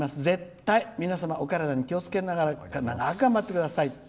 絶対、皆様お体に気をつけながら長く頑張ってください」。